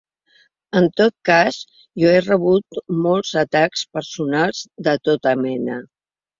En tot cas, jo he rebut molts atacs personals de tota mena.